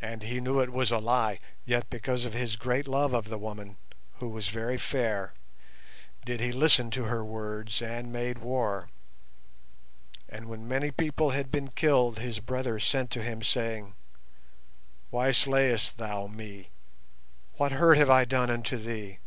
And he knew it was a lie, yet because of his great love of the woman, who was very fair, did he listen to her words and made war. And when many people had been killed his brother sent to him, saying, 'Why slayest thou me? What hurt have I done unto thee?